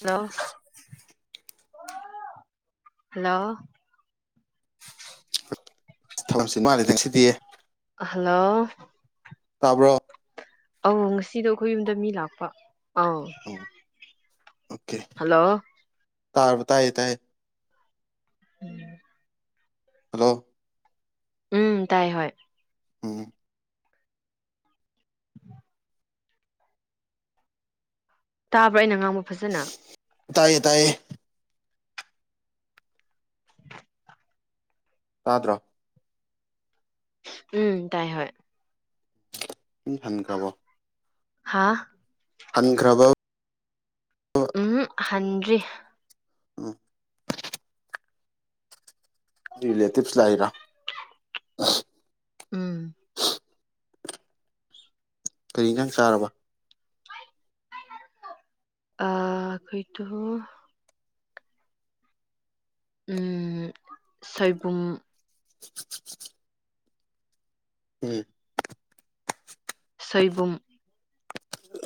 Hello hello ꯊꯝꯁꯤ ꯃꯥꯂꯗꯪ ꯁꯤꯗꯤꯌꯦ ꯍꯜꯂꯣ ꯇꯥꯕ꯭ꯔꯣ ꯑ ꯉꯁꯤꯗꯣ ꯑꯩꯈꯣꯏ ꯌꯨꯝꯗ ꯃꯤ ꯂꯥꯛꯄ ꯑꯥꯎ ꯎꯝ ꯍꯜꯂꯣ ꯇꯥꯔ ꯇ ꯌꯇꯥꯦ ꯎꯝ ꯍꯜꯂꯣ ꯎꯝ ꯇꯥꯏ ꯍ ꯑꯣ ꯇꯥꯕ꯭ꯔꯥ ꯑꯩꯅ ꯉꯥꯡꯕ ꯐꯖꯅ ꯇꯥꯏꯌꯦ ꯇꯥꯏꯌꯦ ꯇꯥꯇ꯭ꯔꯥ ꯎꯝ ꯇꯥꯏ ꯍ ꯊꯥꯟ ꯀ꯭ꯔꯕꯣ ꯍꯥꯥ ꯑꯟꯘ꯭ꯔꯕ ꯎꯝ ꯍꯟꯔꯤ ꯎꯝ ꯂꯩꯦ ꯇꯤꯞꯁ ꯂꯔ ꯎꯝ ꯀꯔꯤ ꯅꯪ ꯆꯥꯔꯕ ꯑꯈꯣꯏꯇꯣ [unintelligible] ꯎꯝ ꯁꯣꯏꯕꯨꯝ ꯎꯝ ꯁꯣꯏꯕꯨꯝ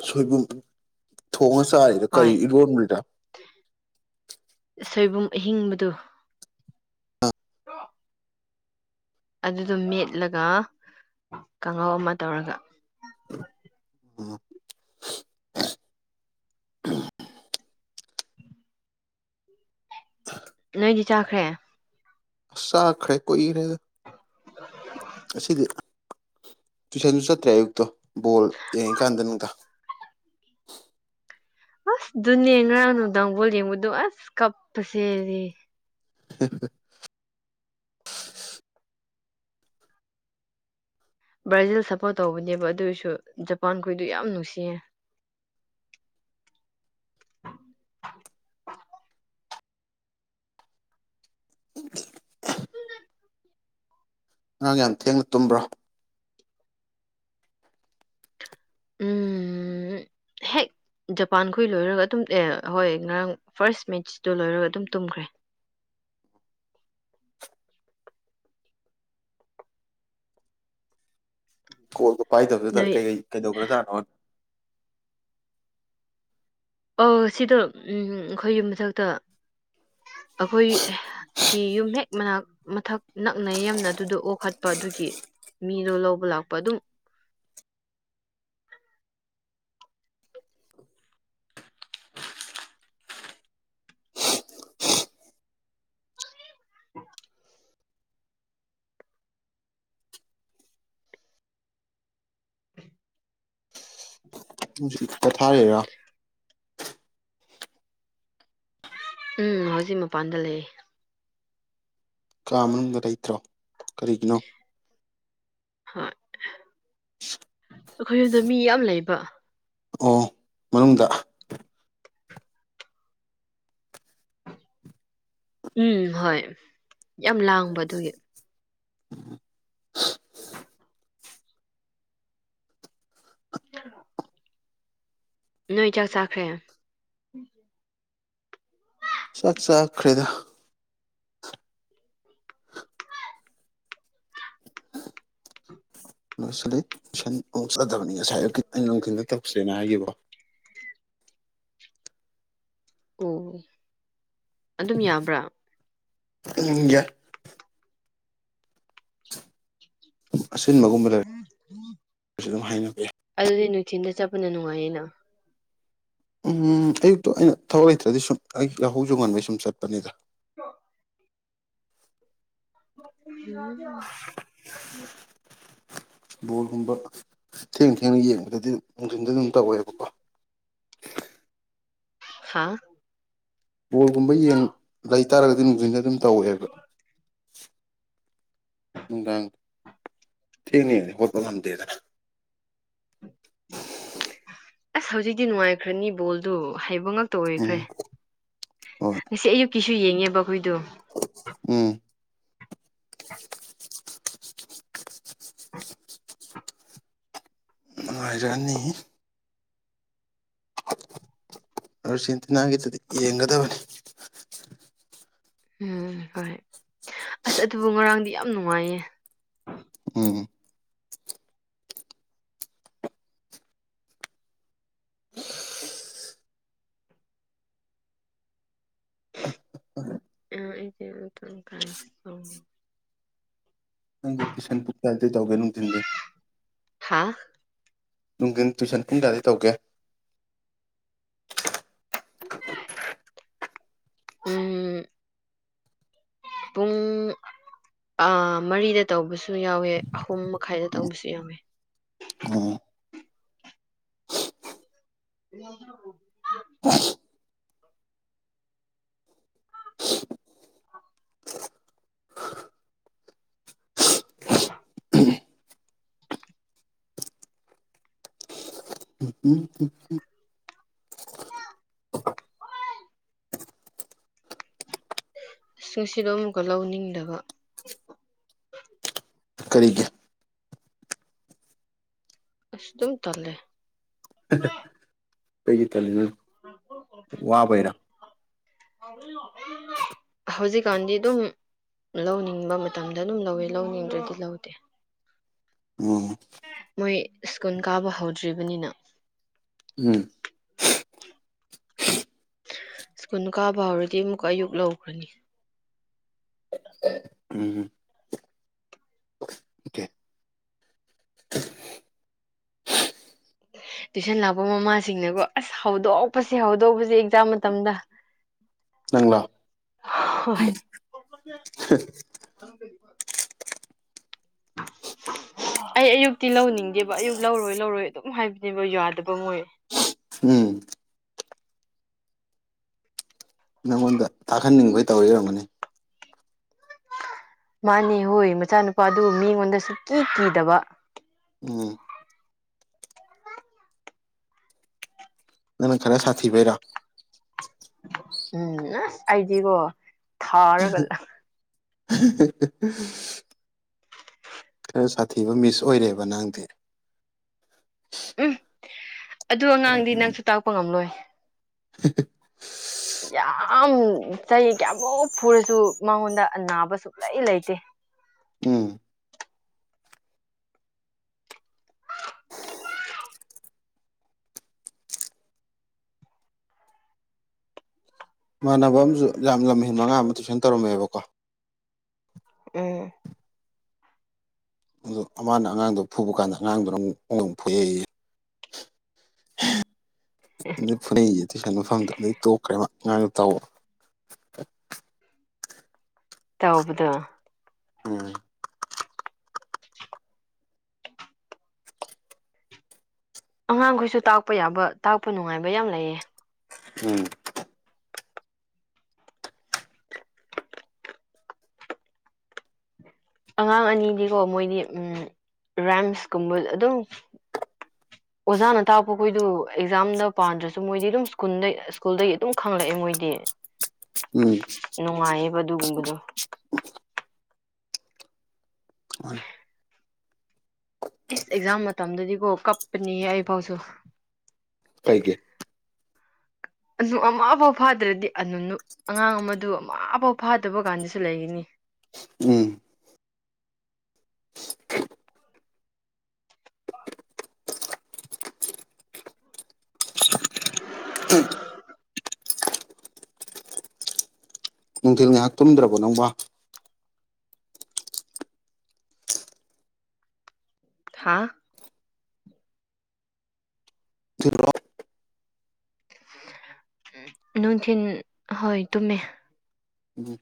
ꯁꯣꯏꯕꯨꯝ ꯊꯣꯡꯉ ꯆꯥꯔꯤꯔ ꯀꯔꯤ ꯍꯣꯏ ꯏꯔꯣꯟꯔꯤꯔꯥ ꯁꯣꯏꯕꯨꯝ ꯑꯍꯤꯡꯕꯗꯨ ꯑꯗꯨꯗꯣ ꯃꯦꯠꯂꯒ ꯀꯥꯡꯍꯧ ꯑꯃ ꯇꯧꯔꯒ ꯎꯝ ꯅꯣꯏꯗꯤ ꯆꯥꯈ꯭ꯔꯦ ꯆꯥꯈ꯭ꯔꯦ ꯀꯨꯏꯔꯦ ꯉꯁꯤꯗꯤ ꯇꯨꯏꯁꯟꯁꯨ ꯆꯠꯇ꯭ꯔꯦ ꯑꯌꯨꯛꯇꯣ ꯕꯣꯜ ꯌꯦꯡꯉꯤꯀꯥꯟꯗꯅꯤꯗꯥ [inaudible] ꯑꯁ ꯑꯗꯨꯅꯦ ꯉꯔꯥꯡ ꯅꯨꯡꯗꯥꯡ ꯕꯣꯜ ꯌꯦꯡꯕꯗꯣ ꯑꯁ ꯀꯞꯄꯁꯤꯗꯤ [inaudible] ꯕ꯭ꯔꯥꯖꯤꯜ ꯁꯞꯄꯣꯔꯠ ꯇꯧꯕꯅꯦꯕ ꯑꯗꯨꯑꯣꯏꯁꯨ ꯖꯄꯥꯟꯈꯣꯏꯗꯨ ꯌꯥꯝ ꯅꯨꯡꯁꯤꯌꯦ [inaudible] ꯎ [inaudible] ꯉꯔꯥꯡ ꯌꯥꯝ ꯊꯦꯡꯅ ꯇꯨꯝꯕ꯭ꯔꯥ ꯎꯝꯝ ꯍꯦꯛ ꯖꯄꯥꯟꯈꯣꯏ ꯂꯣꯏꯔꯒ ꯑꯗꯨꯝ ꯑꯦ ꯍꯣꯏ ꯉꯔꯥꯡ ꯐꯥ꯭ꯔꯁ ꯃꯦꯠꯆꯇꯣ ꯂꯣꯏꯔꯒ ꯑꯗꯨꯝ ꯇꯨꯝꯈ꯭ꯔꯦ ꯎꯝ [inaudible] ꯀꯣꯜꯗꯣ ꯄꯥꯏꯗꯕꯗꯨꯗ ꯅꯣꯏ ꯀꯩꯀꯩ ꯀꯩꯗꯧꯒ꯭ꯔꯥꯖꯥꯠꯅꯣꯅ ꯑꯧ ꯁꯤꯗ ꯎꯝ ꯑꯩꯈꯣꯏ ꯌꯨꯝ ꯃꯊꯛꯇ [inaudible] ꯑꯩꯈꯣꯏꯒꯤ ꯀꯤ ꯌꯨꯝ ꯍꯦꯛ ꯃꯅꯥꯛ ꯃꯊꯛ ꯅꯛꯅ ꯌꯝꯅ ꯑꯗꯨꯗ ꯑꯣꯈꯠꯄ ꯑꯗꯨꯒꯤ ꯃꯤꯗꯣ ꯂꯧꯕ ꯂꯥꯛꯄ ꯑꯗꯨꯝ [inaudible] ꯎ [inaudible] ꯉꯁꯤ ꯈꯛꯇ ꯊꯥꯔꯤꯔꯥ ꯎꯝ ꯍꯧꯖꯤꯛ ꯃꯄꯥꯟꯗ ꯂꯩꯌꯦ ꯀꯥ ꯃꯅꯨꯡꯗ ꯂꯩꯇ꯭ꯔꯣ ꯀꯔꯤꯒꯤꯅꯣ ꯍꯣꯏ ꯑꯩꯈꯣꯏ ꯌꯨꯝꯗ ꯃꯤ ꯌꯥꯝ ꯂꯩꯕ ꯑꯣ ꯃꯅꯨꯡꯗꯥ ꯎꯝ ꯍꯣꯏ ꯌꯥꯝ ꯂꯥꯡꯕ ꯑꯗꯨꯒꯤ ꯎ [inaudible] ꯅꯣꯏ ꯆꯥꯛ ꯆꯥꯈ꯭ꯔꯦ ꯆꯥꯛ ꯆꯥꯈ꯭ꯔꯦꯗ ꯅꯣꯏꯁꯤꯂ [unintelligible] ꯇꯁꯟ ꯆꯗꯕꯅꯤ ꯉꯁꯥꯏ ꯑ ꯅꯨꯡꯊꯤꯜꯗ ꯇꯧꯁꯦꯅ ꯍꯥꯏꯈꯤꯕ ꯑꯣ ꯑꯗꯨꯝ ꯌꯥꯕ꯭ꯔꯥ ꯎꯝ ꯌꯥꯏ ꯑꯁꯤꯟꯕꯒꯨꯝꯕ ꯂꯩꯔ ꯑꯗꯨꯝ ꯍꯥꯏꯅꯕ ꯌꯥꯏ ꯏꯊꯟꯗ ꯆꯠꯄꯅ ꯅꯨꯡꯉꯥꯏꯌꯦꯅꯥ ꯎꯝ ꯑꯌꯨꯛꯇꯨ ꯑꯩꯅ ꯊꯕꯛ ꯂꯩꯇ꯭ꯔꯗꯤ ꯁꯨꯝ ꯑꯩ ꯌꯥꯍꯧꯁꯨ ꯉꯟꯕꯩ ꯁꯨꯝ ꯆꯠꯄꯅꯤꯗꯥ ꯑ [inaudible] ꯎꯝ [inaudible] ꯕꯣꯜꯒꯨꯝꯕ ꯊꯦꯡ ꯊꯦꯡꯅ ꯌꯦꯡꯕꯗꯗꯤ ꯅꯨꯡꯊꯤꯟꯗ ꯑꯗꯨꯝ ꯇꯧꯋꯦꯕꯀꯣ ꯍ ꯕꯣꯜꯒꯨꯝꯕ ꯌꯦꯡ ꯂꯩꯇꯥꯥꯔꯒꯗꯤ ꯅꯨꯡꯊꯤꯟꯗ ꯑꯗꯨꯝ ꯇꯧꯋꯦꯕ ꯅꯨꯡꯗꯥꯡ ꯊꯦꯡꯅ ꯌꯦꯡꯉꯗꯤ ꯍꯧꯒꯠꯄ ꯉꯝꯗꯦꯅꯥ ꯑꯁ ꯍꯧꯖꯤꯛꯇꯤ ꯅꯨꯡꯉꯥꯏꯈ꯭ꯔꯅꯤ ꯕꯣꯜꯗꯨ ꯍꯥꯏꯕ ꯃꯉꯛꯇ ꯑꯣꯏꯈ꯭ꯔꯦ ꯎꯝ ꯍꯣꯏ ꯉꯁꯤ ꯑꯌꯨꯛꯀꯤꯁꯨ ꯌꯦꯡꯉꯦꯕ ꯑꯩꯈꯣꯏꯗꯣ ꯎꯝ ꯅꯨꯡꯉꯥꯏꯖꯅꯤ ꯑꯔꯖꯦꯟꯇꯤꯅꯥꯒꯤꯗꯗꯤ ꯌꯦꯡꯒꯗꯕꯅꯤ ꯎꯝ ꯍꯣꯏ ꯑꯁ ꯑꯗꯨꯕꯨ ꯉꯔꯥꯡꯗꯤ ꯌꯥꯝ ꯅꯨꯡꯉꯥꯏꯌꯦ ꯑꯝ [inaudible] ꯅꯪ ꯇꯁꯟ ꯄꯨ ꯆꯗ ꯆꯧꯒꯅ ꯊꯗ ꯍꯥꯥ ꯅꯨꯡꯒꯤꯟ ꯇꯨꯋꯏꯁꯟ ꯄꯨꯡ ꯀꯌꯥꯗꯩ ꯇꯧꯒꯦ ꯎꯝ ꯄꯨꯡ ꯃꯔꯤꯗ ꯇꯧꯕꯁꯨ ꯌꯥꯎꯋꯦ ꯑꯍꯨꯝ ꯃꯈꯥꯏꯗ ꯇꯧꯕꯁꯨ ꯌꯥꯎꯋꯦ ꯎꯝ [inaudible] ꯑ [unintelligible] [inaudible] ꯑꯁꯁꯤꯡꯁꯤꯗꯣ ꯑꯃꯨꯛꯀ ꯂꯧꯅꯤꯡꯗꯕ ꯀꯔꯤꯒꯦ ꯑꯁꯇꯨꯝ ꯇꯂꯦ ꯀꯩꯒꯤ ꯇꯜꯂꯤꯅꯣ ꯋꯥꯕꯩꯔꯥ ꯍꯧꯖꯤꯛꯀꯥꯟꯗꯤ ꯑꯗꯨꯝ ꯂꯧꯅꯤꯡꯕ ꯃꯇꯝꯗ ꯑꯗꯨꯝ ꯂꯧꯋꯦ ꯂꯧꯅꯤꯡꯗ꯭ꯔꯗꯤ ꯂꯧꯗꯦ ꯎꯝ ꯃꯣꯏ ꯁ꯭ꯀꯨꯜ ꯀꯥꯕ ꯍꯧꯗ꯭ꯔꯤꯕꯅꯤꯅ ꯎꯝ [inaudible] ꯁ꯭ꯀꯨꯜ ꯀꯥꯕ ꯍꯧꯔꯗꯤ ꯑꯃꯨꯛ ꯑꯌꯨꯛ ꯂꯧꯈ꯭ꯔꯅꯤ ꯎꯝ ꯑꯣꯀꯦ ꯇꯨꯏꯁꯟ ꯂꯥꯛꯄ ꯃꯃꯥꯁꯤꯡꯅꯒꯣ ꯑꯁ ꯍꯧꯗꯣꯛꯄꯁꯦ ꯍꯧꯗꯣꯛꯄꯁꯦ ꯑꯦꯛꯖꯥꯝ ꯃꯇꯝꯗ ꯏꯪꯂꯥ ꯍꯣꯏ [inaudible] ꯑꯩ ꯑꯌꯨꯛꯇꯤ ꯂꯧꯅꯤꯡꯗꯦꯕ ꯑꯌꯨꯛ ꯂꯧꯔꯣꯏ ꯂꯧꯔꯣꯏ ꯑꯗꯨꯝ ꯍꯥꯏꯕꯅꯦꯕ ꯌꯥꯗꯕ ꯃꯣꯏꯦ ꯎꯝ ꯅꯪꯉꯣꯟꯗ ꯊꯥꯛꯍꯟꯅꯤꯡꯕꯩ ꯇꯧꯔꯤꯔꯝꯒꯅꯤ ꯃꯥꯅꯦ ꯍꯣꯏ ꯃꯆꯥꯅꯨꯄꯥꯗꯨ ꯃꯤꯉꯣꯟꯗ ꯁꯨ ꯀꯤ ꯀꯤꯗꯕ ꯎꯝ ꯅꯪ ꯈꯔ ꯁꯥꯊꯤꯕꯩꯔ ꯎꯝ ꯑꯁ ꯑꯩꯗꯤꯀꯣ ꯊꯥꯔꯒ ꯂ [inaudible] ꯈꯔ ꯁꯥꯊꯤꯕ ꯃꯤꯁ ꯑꯣꯏꯔꯦꯕ ꯅꯪꯗꯤ ꯎꯝ ꯑꯗꯨ ꯑꯉꯥꯡꯗꯤ ꯅꯪꯁꯨ ꯇꯥꯛꯄ ꯉꯝꯂꯣꯏ [inaudible] ꯌꯥꯝ ꯆꯍꯤ ꯀꯌꯥꯃꯨꯛ ꯐꯨꯔꯁꯨ ꯃꯉꯣꯟꯗꯅꯥꯕ ꯁꯨꯡꯛꯂꯩ ꯂꯩꯇꯦ ꯎꯝ ꯃꯥꯟꯅꯕ ꯑꯃꯁꯨ ꯌꯥꯝ ꯂꯝ ꯍꯦꯟ ꯃꯉꯥ ꯑꯃ ꯇꯨꯏꯁꯟ ꯇꯧꯔꯝꯃꯦꯕꯀꯣ ꯎꯝ ꯑꯗꯨ ꯑꯃꯅ ꯑꯉꯥꯡꯗꯣ ꯐꯨꯕ ꯀꯥꯟꯗ ꯑꯉꯥꯡꯗꯨꯣꯅ ꯑꯃꯨꯛꯗꯪ ꯐꯨꯍꯛꯏꯦ ꯑꯗꯩ ꯐꯅꯒꯤ ꯇꯨꯏꯁꯟ ꯃꯐꯝꯗ ꯑꯗꯩ ꯇꯣꯛꯈ꯭ꯔꯦꯕ ꯉꯥꯡꯅ ꯇꯧꯕ ꯇꯧꯕꯗꯣ ꯎꯝ ꯑꯉꯥꯡꯈꯣꯏꯁꯨ ꯇꯥꯛꯄ ꯌꯥꯕ ꯇꯥꯛꯄ ꯅꯨꯡꯉꯥꯏꯕ ꯌꯥꯝ ꯂꯩꯌꯦ ꯎꯝ ꯑꯉꯥꯡ ꯑꯅꯤꯗꯤꯀꯣ ꯃꯣꯏꯗꯤ ꯎꯝ ꯔꯥꯝꯁꯀꯨꯝꯕ ꯑꯗꯨꯝ [inaudible] ꯑꯣꯖꯥꯅ ꯇꯥꯛꯄꯈꯣꯏꯗꯨ ꯑꯦꯛꯖꯥꯝꯗ ꯄꯥꯟꯗ꯭ꯔꯁꯨ ꯃꯣꯏꯗꯤ ꯑꯗꯨꯝ ꯁ꯭ꯀꯨꯜꯗ ꯁ꯭ꯀꯨꯜꯗꯒꯤ ꯑꯗꯨꯝ ꯈꯪꯂꯛꯑꯦ ꯃꯣꯏꯗꯤ꯫ ꯎꯝ꯫ ꯅꯨꯡꯉꯥꯏꯌꯦꯕ ꯑꯗꯨꯒꯨꯝꯕꯗꯣ ꯃꯥꯅꯤ ꯏꯁ ꯑꯦꯛꯖꯥꯝ ꯃꯇꯝꯗꯗꯤꯀꯣ ꯀꯞꯄꯅꯤꯍ ꯑꯩꯐꯥꯎꯁꯨ꯫ ꯀꯩꯒꯤ ꯑꯗꯨꯅꯨ ꯑꯃꯐꯥꯎ ꯐꯥꯗ꯭ꯔꯗꯤ ꯑꯅꯨ ꯑꯉꯥꯡ ꯑꯃꯗꯨ ꯑꯃꯐꯥꯎ ꯐꯥꯗꯕ ꯀꯥꯟꯗꯁꯨ ꯂꯩꯒꯅꯤ꯫ ꯎꯝ꯫ [unintelligible] ꯅꯨꯡꯊꯤꯜ ꯉꯥꯏꯍꯥꯛ ꯇꯨꯝꯗ꯭ꯔꯕꯣ ꯅꯪꯕꯣ꯫ ꯍꯥꯥ꯫ ꯅꯨꯡꯊꯤꯜꯔꯣ ꯅꯨꯡꯊꯤꯟ ꯍꯣꯏ ꯇꯃꯦ꯫ ꯎꯝ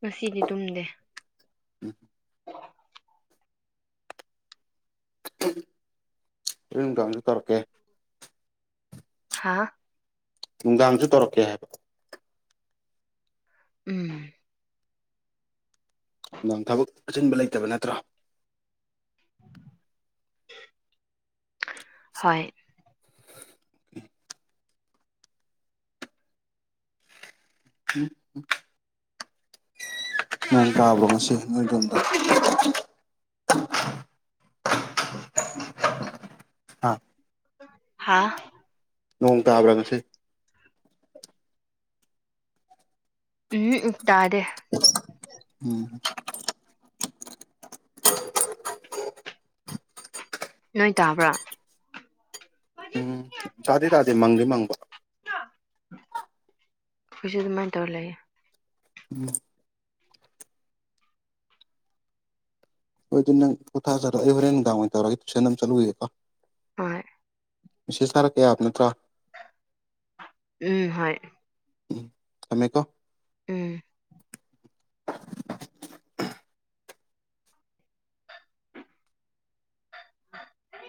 ꯉꯁꯤꯗꯤ ꯇꯨꯝꯗꯦ꯫ ꯃꯨꯛ ꯇꯧꯔꯀꯦ꯫ ꯍꯥꯥ꯫ ꯅꯨꯡꯗꯥꯡꯁꯨ ꯇꯧꯔꯛꯀꯦ ꯍꯥꯏꯕ꯫ ꯎꯝ꯫ ꯅꯪ ꯊꯕꯛ ꯑꯆꯤꯟꯕ ꯂꯩꯇꯕ ꯅꯠꯇ꯭ꯔ꯫ ꯍꯣꯏ꯫ [unintelligible] ꯅꯣꯝ ꯇꯥꯕꯔꯣ ꯉꯁꯤ ꯅꯣꯏ ꯌꯨꯝꯗ꯫ [unintelligible] ꯍꯥꯥ꯫ ꯍꯥꯥ꯫ ꯅꯣꯡ ꯇꯥꯕ꯭ꯔꯥ ꯉꯁꯤ꯫ ꯎꯝ ꯎ ꯇꯗꯦ꯫ ꯎꯝ꯫ ꯅꯣꯏ ꯇꯥꯕ꯭ꯔꯥ꯫ ꯎꯝ ꯇꯥꯗꯤ ꯇꯥꯗꯦ ꯃꯪꯗꯤ ꯃꯪꯕ ꯍꯧꯁꯨ ꯗꯨꯃꯥꯏꯅ ꯇꯧꯔ ꯂꯩꯌꯦ꯫ ꯎꯝ꯫ ꯍꯣꯏ ꯑꯗꯨ ꯅꯪ ꯄꯣꯊꯥꯖꯔꯣ ꯑꯩ ꯍꯣꯔꯦꯟ ꯅꯨꯡꯗꯥꯡ ꯋꯥꯏ ꯇꯧꯔꯒ ꯇꯨꯏꯟ ꯑꯃ ꯆꯠꯂꯨꯏꯦꯀꯣ꯫ ꯍꯣꯏ꯫ ꯃꯦꯁꯦꯁ ꯊꯔꯛꯀꯦ ꯌꯥꯕ ꯅꯠꯇ꯭ꯔꯥ꯫ ꯎꯝ ꯍꯣꯏ ꯫ ꯎꯝ ꯊꯝꯃꯦ ꯀꯣ ꯎꯝ